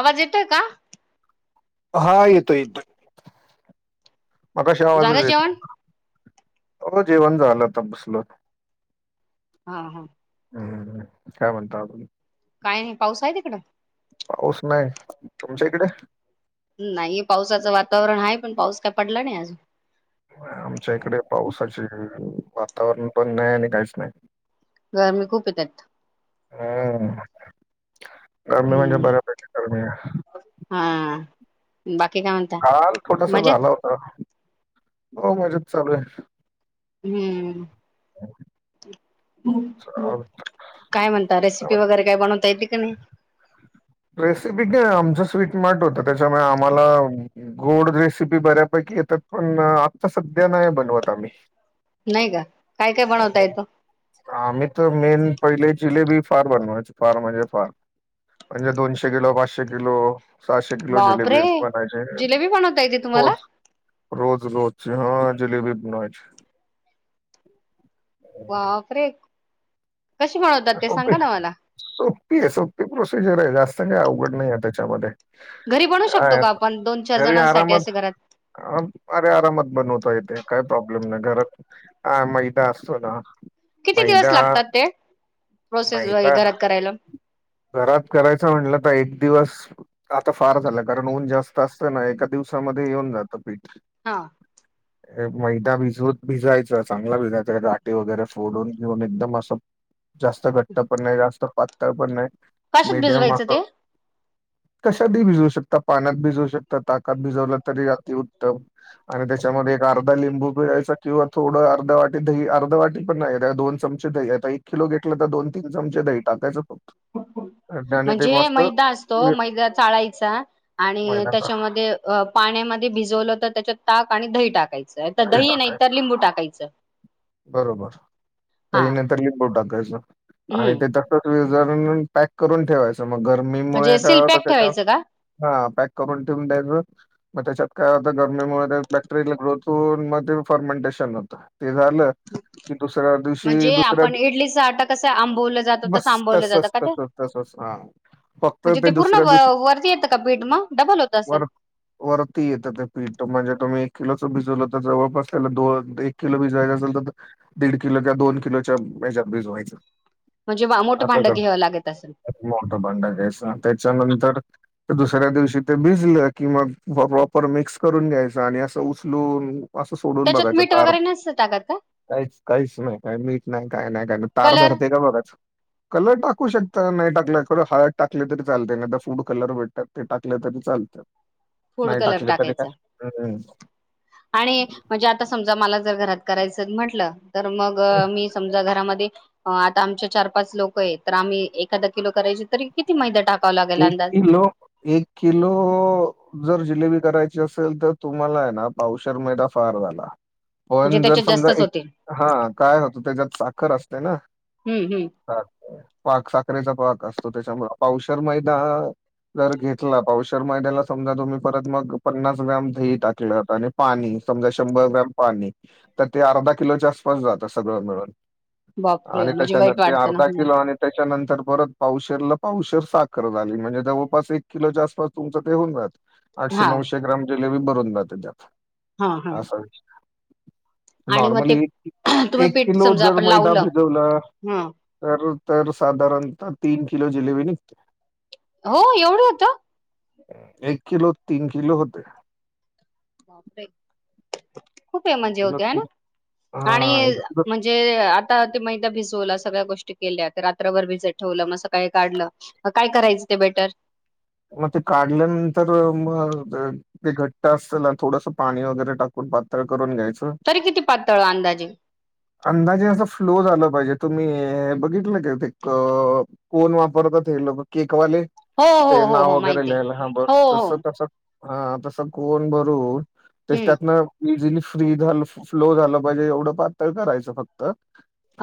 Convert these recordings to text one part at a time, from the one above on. आवाज येतोय का? हा, येतोय येतोय. मघाशी झालं आवाजच येत जेवण? नव्हता. हो, जेवण झालं आता बसलोत. हा हा. हम्म, काय म्हणता अजून? काय नाही, पाऊस आहे तिकडं? पाऊस नाही, तुमच्या इकडे? नाही, पावसाचं वातावरण आहे पण पाऊस काय पडला नाही अजून. आमच्या इकडे, पावसाचे वातावरण पण नाही आणि काहीच नाही. गर्मी खूप येतात. हम्, गर्मी म्हणजे हम्म बऱ्यापैकी गर्मी आहे. हा, बाकी काय म्हणता मजेत? ह, हो मजेत चालू आहे. हम्म. चालेल. काय म्हणता, रेसिपी वगैरे काय बनवता येते का नाही? रेसिपी काय आमचं स्वीट मार्ट होतं त्याच्यामुळे आम्हाला गोड रेसिपी बऱ्यापैकी येतात पण आता सध्या नाही बनवत आम्ही. नाही का? काय काय बनवता येतो? आम्ही तर मेन पहिले जिलेबी फार बनवायचो फार म्हणजे फार. म्हणजे दोनशे किलो, पाचशे किलो सहाशे किलो बापरे जिलेबी बनायचे जिलेबी बनवता येते तुम्हाला? रोज. रोज रोजची हां जलेबी बनवायची. बापरे! कशी बनवतात ते सांगा ना मला? सोप्पी आहे सोप्पी प्रोसिजर आहे जास्त काही अवघड नाही आहे त्याच्यामध्ये. घरी बनवू शकतो काय का आपण दोन चार घरी जणांसाठी असे आरामात घरात? अरे आरामात बनवता येतेे काय प्रॉब्लेम नाही. घरात आ मैदा असतो ना किती दिवस मैदा लागतात ते प्रोसेस वैगेरे मैदा घरात करायला? घरात करायचं म्हटलं तर एक दिवस आता फार झालं, कारण ऊन जास्त असतं ना एका दिवसामध्ये येऊन जातं पीठ. हां. [inaudible] मैदा भिजवत भिजायचं चांगला भिजायचं गाठी वैगेरे फोडून घेऊन एकदम असं जास्त घट्ट पण नाही जास्त पातळ पण नाही कशात मिडियम भिजवायचं अस ते? कशातही भिजवू शकता पाण्यात भिजवू शकता, ताकात भिजवला तरी अती उत्तम. आणि त्याच्यामध्ये एक अर्धा लिंबू पिळायचा किंवा थोडं अर्धा वाटी दही अर्ध वाटी पण नाही त्या दोन चम चे दही आता एक किलो घेतलं तर दोन तीन चमचे दही टाकायचं फक्त. आणि ते म्हणजे मस्त मैदा असतो वे मैदा चाळायचा आणि मैदा का- त्याच्यामध्ये अ पाण्यामध्ये भिजवलं तर त्याच्यात ताक आणि दही टाकाय च तर दही नाही तर लिंबू टाकायचं. बरोबर हा दही नाहीतर लिंबू टाकायचं आणि हम्म ते तर [unintelligible] पॅक करून ठेवायचं मग गरमीमुळे म्हणजे काय होत सिलपॅक त्याच ठेवायचं का हां पॅक करून ठेऊन द्यायचं. मग त्याच्यात काय होतां गरमीमुळे बॅक्टेरियल ग्रोथ मग ते फर्मेंटेशन होतं. ते झालं की दुसऱ्या दिवशी, म्हणजे दुसऱ्या, आपण इडलीचा आटा कसं आंबवलं जातं तसं मस्त आंबवलं अस जातं का ते तसच हां फक्त म्हणजे ते पूर्ण दुसऱ्या दिवशी वरती येतं का पिठ मग डबल होत असेल? वर वरती येतं ते पीठ म्हणजे तुम्ही एक किलोचं भिजवलं तर जवळपास त्याला दोन एक किलो भिजवायचं असेल तर दीड किलोच्या दोन किलोच्या ह्याच्यात भिजवायचं. म्हणजे मोठं भांडं घ्यावं लागत असलं? मोठं भांडा घ्यायच त्याच्यानंतर तर दुसऱ्या दिवशी ते भिजलं किंवा प्रॉपर मिक्स करून घ्यायचं आणि असं उचलून असं सोडून बघायचं तार अस टाकत का? काहीच काहीच नाही काय मीठ नाही काय नाही काय नाही तार कलर धरते का बघाच. कलर टाकू शकता नाही टाकला करु हळद टाकली तरी चालते एकदा फूड कलर भेटतात ते टाकलं तरी चालतं. [inaudible] फूड कलर टाकायचा, आणि म्हणजे आता आता समजा मला जर घरात करायचं म्हंटलं, तर मग मी समजा घरामध्ये आता आमचे चार पाच लोक आहेत, तर आम्ही एखादा किलो करायचे तरी किती मैदा टाकावं लाग एक किलो, एक किलो. जर जिलेबी करायची असेल तर तुम्हाला आहे ना, पावशल मैदा फार झाला. म्हणजे पण जर त्याच्यात समजा जास्तच एक, होतील हा काय होतं त्याच्यात साखर असते ना. हम्म हम्म पाक साखरेचा पाक असतो त्यांच्यामुळ, पावशर मैदा. जर घेतला. पावशर मैद्याला समजा, तुम्ही परत मग पन्नास ग्राम दही टाकलंत आणि पाणी समजा शंभर ग्रॅम पाणी, तर ते अर्धा किलोच्या आसपास जातं सगळं मिळून. बापरे आणि म्हणजे त्याच्यानंतर वाईट ते वाटतं ना अर्धा हम्म. किलो आणि त्याच्यानंतर परत पावशरला पावशर. साखर झाली. म्हणजे जवळपास एक किलोच्या आसपास तुमचं ते होऊन जात आठशे हा नऊशे ग्रॅम जिलेबी भरुन जाते त्यात. हा हा असा विषय आहे. आणि मग ते नॉर्मली, तुम्ही एक पीठ किलो समजा जर आपण मैदा लावलं भिजवला ह तर, तर साधारणतः तीन किलो जिलेबी निघते. हो, एवढं होत? एक किलोत, तीन किलो होते. खूप हे एक म्हणजे किलो होते आहे ना. तीन आणि हां, एक किलो म्हण जे आता ते मैदा भिजवला, सगळ्या गोष्टी केल्या. रात्रभर भिजत ठेवलं. मग सकाळी काढलं. काय करायचं ते बेटर? मग ते काढल्यानंतर मग ते ते घट्ट असतं ना, थोडस पाणी वगैरे टाकून पातळ करून घ्यायचं. तरी किती पातळ अंदाजे? अंदाजे असं फ्लो झाला पाहिजे. तुम्ही बघितलं का ते कप कोण वापरतात हे लोक, केकवाले. हो हो ते हो नाव हो वगैरे माहिती आहे. लिहायला. हा बर हो हो तसं तसं. हा तसा कोण भरून तेच हम्म त्यातन इझिली फ्री झालं, फ्लो झालं पाहिजे. एवढं पातळ करायचं फक्त.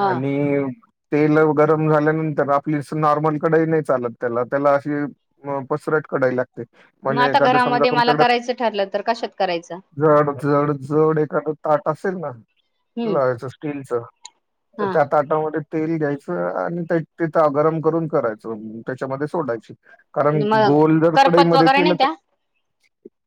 हा तेल गरम झाल्यानंतर, आपली नॉर्मल कढई नाही चालत त्याला. त्याला अशी म पसरट कढई लागते. मग म्हणजे आता एखाद्या समजा घरामध्ये मला तुमच्याकडे करायचं ठरलं तर कशात करायचं? जड, जड, जड एखादं ताट असेल ना हम्म लावायच स्टीलच, तर हा त्या ताटामध्ये तेल घ्यायचं आणि ते तिथं गरम करून करायचं. त्याच्यामध्ये सोडायची. कारण मग गोल जर करपत कडईमध्ये वगैरे केलं नाही तर त्या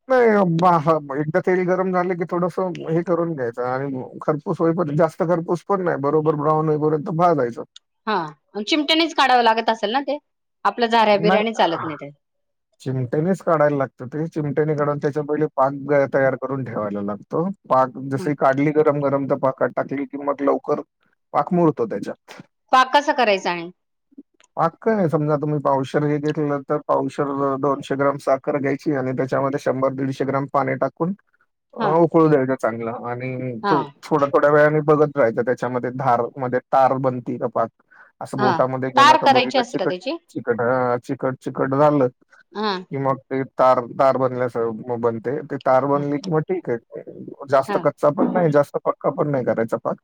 नाही बाहा एकदा तेल गरम झालं, की थोडसं हे करून घ्यायचं. आणि खरपूस होई पर्यंत, जास्त खरपूस पण नाही, बरोबर ब्राऊन होईपर्यंत भाजायचं. हा, चिमट्यानीच काढावं लागत असेल ना ते? आपलं झाऱ्या नाही, बिऱ्याने चालत हा नाही ते चिमट्यानीच काढायला लागतं ते, चिमट्यानी काढून त्याच्या पहिली पाक तयार करून ठेवायला लागतो. पाक हं जसी काढली, गरम गरम तर पाकात टाकली कि मग लवकर पाक मुरतो त्याच्यात. पाक कसा करायचा आणि? पाक काय? समजा तुम्ही पावशर हे घेतलं तर पावशर, दोनशे ग्राम साखर घ्यायची आणि त्याच्यामध्ये शंभर दीडशे ग्रॅम पाणी टाकून अ हा उकळू द्यायचा चांगला आणि हा थो थोड्या थोड्या वेळा बघत राहायचं. त्याच्यामध्ये धार मध्ये तार बनती कपात. असं हा बोटामध्ये घेऊन तार असं करायची बघितलं असते का चिकट त्याची चिकट हा, चिकट चिकट झालं हा कि मग ते तार. तार बनल्यासं बनते. ते तार हा बनली कि मग ठीक आहे. जास्त क कच्च पण नाही जास्त पक्का पण नाही करायचा पाक.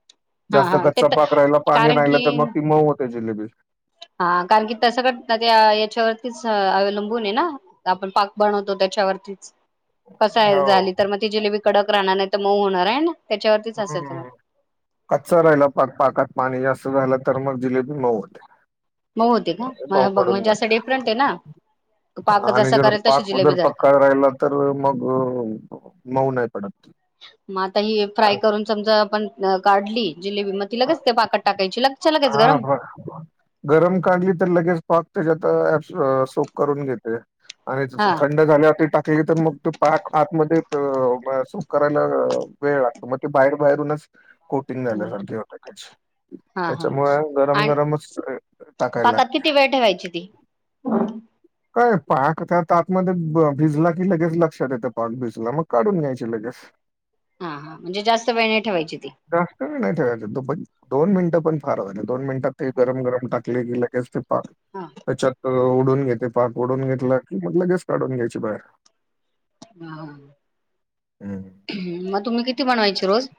हा जास्त हा ते कच्चा तर पाक राहिला, पाणी कारण राहिला, की तर मग ती मऊ होते जिलेबी. हा कारण की तसं कट त ना त्या याच्यावर तेच अवलंबून आहे ना? आपण पाक बनवतो त्याच्यावरतीच. कसा आहे हो झाली तर मग ती जिलेबी कडक राहणार आहे नाहीतर मऊ होणार आहे ना? त्याच्यावरतीच असेल सगळं. हम्म. कच्चा राहिला पाक, पाकात पाणी जास्त झालं तर मग जिलेबी मऊ होते. मऊ होते का? मऊ मग बघ, पडून म्हणजे जाते असं डिफरंट आहे ना? पाक आणि जसा जर करेल तशी पाक जिलेबी उदर धरते. पक्का राहिला तर मग, मऊ नाही पडत. मग आता ही फ्राय करून समजा आपण काढली जिलेबी, मग ति लगेच ते पाकात टाकायची. लगे हा [unintelligible] गरम काढली तर लगेच पाक त्याच्यात ऍब्स- सोक करून घेते. आणि तसं हा थंड झाल्यावर टाकली तर मग तो पाक आतमध्ये सुप करायला वेळ लागतो, मग ते बाहेर बाहेरूनच कोटिंग झाल्यासारखी होते कच्ची हा हा त्याच्यामुळे गरम आणि गरमच टाकायला पाकात लागते. किती वेळ ठेवायची ती? काय पाक त्यातं आतमध्ये भिजला की लगेच लक्षात येत पाक भिजला. मग काढून घ्यायचे लगेच. [inaudible] हा हा. म्हणजे जास्त वेळ नाही ठेवायची ती. जास्त नाही ना ठेवायचं. दुप- दोन मिनिटं पण फार झाली. दोन मिनिटात ते गरम गरम टाकले की लगेच ते पाक हा त्याच्यात ओढून घेते. पाक ओढून घेतला की मग लगेच काढून घ्यायची बाहेर. ह. हं. मग तुम्ही किती बनवायची रोज?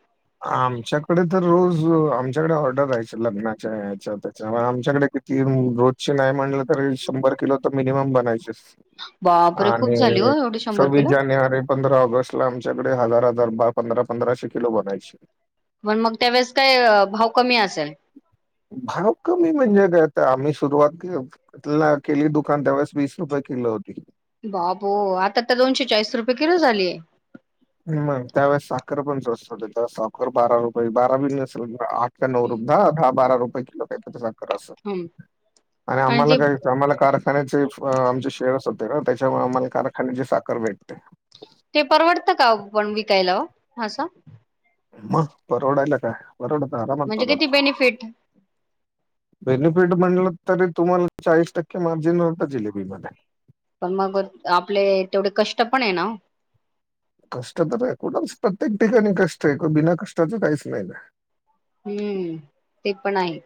आमच्याकडे तर रोज. आमच्याकडे ऑर्डर राहायची लग्नाच्या याच्या-त्याच्या आमच्याकडे ती रोजची नाही म्हणलं तरी, शंभर किलो तर मिनिमम बनायचे. बापरे खूप आणि झाली हो एवढी शंभर सव्वीस किलो जानेवारी पंधरा ऑगस्ट ला आमच्याकडे हजार-हजार बा पंधरा-पंधराशे किलो बनायचे. मण मग त्यावेळेस काय भाव कमी आसल. भाव कमी म्हणजे काय आता आम्ही सुरुवात के केली दुकान त्यावेळेस वीस रुपये किलो होती. बाबो! आता तर दोनशे चाळीस रुपये किलो झालीय. मग त्यावेळेस साखर पण स्वस्त होती, तेव्हा साखर बारा रुपये, बारा बी नसल, आठ नऊ रुपय, दा-दहा बारा रुपये किलो का साखर असं हम्म आणि आम्हाला काय आम्हाला कारखान्याचे अं आमचे शेअर्स होते ना, त्याच्यामुळे आम्हाला कारखान्याची साखर भेटते. ते परवडतं का हो? पण विकायला हो? असं. मग परवडायला काय? परवडतं. आरामात म्हणजे किती परवडतं. बेनिफिट बेनिफिट म्हणलं तरी तुम्हाला चाळीस टक्के मार्जिन होतं जिलेबी मध्ये. पण मग आपले तेवढे कष्ट पण आहे ना हो. कष्ट तर आहे. कुठंच प्रत्येक ठिकाणी कष्ट आहे. क बिना कष्टाचं काहीच नाही. हम्म. ते पण आहे.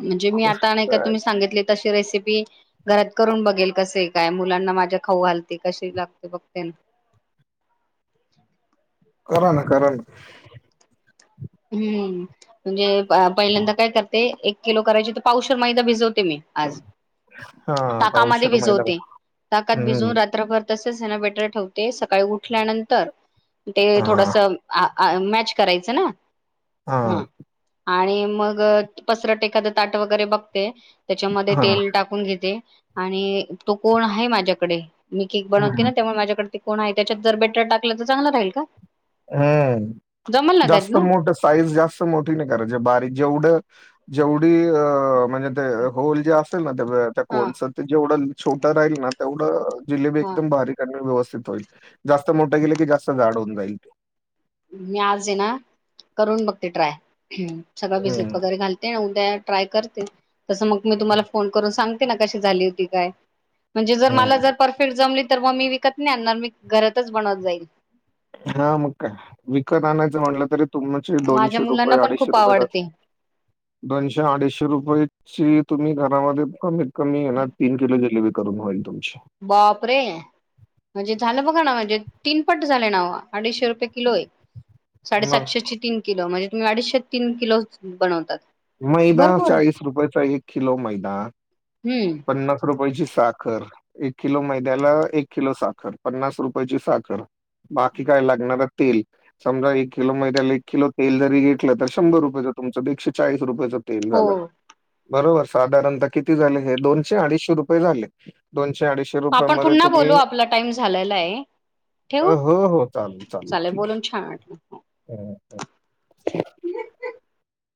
म्हणजे मी आता नाय कष्ट का आहे. तुम्ही सांगितले तशी रेसिपी घरात करून बघेल कसं काय मुलांना माझ्या खाऊ घालते कशी लागते बघते ना करा ना करा ना हम्म म्हणजे पहिल्यांदा काय करते एक किलो करायचे तर पावशेर मैदा भिजवते मी आज हा ताकामध्ये पावशेर मैदा भिजवते ताकात हम्म भिजवून रात्रभर तसच बेटर ठेवते सकाळी उठल्यानंतर ते हा थोडंसं मॅच करायचं ना? हा आणि मग पसरट एखादं ताट वगैरे बघते. त्याच्यामध्ये हा तेल टाकून घेते आणि तो कोण आहे माझ्याकडे मी केक बनवते हम्म ना त्यामुळे माझ्याकडे ते कोण आहे त्याच्यात जर बेटर टाकलं तर चांगलं राहील का? हम्म जमल ना त्यात जास्त ना मोठ साईज जास्त मोठी नाही करायची बारीक जेवढं जेवढी अ म्हणजे ते होल जे असेल ना तेच त्या हा कोनच ते जेवढं छोटा राहील ना तेवढं जिलेबी हा एकदम भारी व्यवस्थित होईल जास्त मोठे गेले की जास्त जाड होऊन जाईल. मी आज ना करून बघते ट्राय सगळं भिजत हं. वगैरे घालते. उद्या ट्राय करते तसं मग मी तुम्हाला फोन करून सांगते ना कशी झाली होती काय म्हणजे जर मला हं. जर परफेक्ट जमली तर मग मी विकत नाही आणणार मी घरातच बनवत जाईल. हा मग काय विकत आणायचं म्हटलं तरी तुमचे माझ्या दोनशे मुलांना रुपये पण अडीचशे खूप रुपये जातील. आवडते दोनशे अडीचशे रुपये तुम्ही घरामध्ये कमीत कमी हेना तीन किलो जिलेबी करून होईल तुमची बापरे म्हणजे झालं बघा ना म्हणजे तीन पट झाले ना अडीचशे रुपये किलो आहे. मग साडेसातशे ची तीन किलो म्हणजे तुम्ही अडीशेचत तीन किलो बनवतात. मैदा भरपूर चाळीस रुपयाचा एक किलो मैदा. हम्म पन्नास रुपयाची साखर. एक किलो मैद्याला एक किलो साखर पन्नास रुपयाची साखर बाकी काय लागणार. तेल समजा एक किलो मैद्याला एक किलो तेल जरी घेतलं तर शंभर रुपयाचं तुमचं एकशे चाळीस रुपयाचं. ते झालं हो बरोबर साधारणतः किती झाले? दोशे अडीचशे रुपये झाले दोनशे अडीचशे आपण पुन्हा बोलू आपला टाइम झालेला आहे. ठेवू अ हो हो चालेल चालेल ठीक बोलून छान वाटलं. आहे.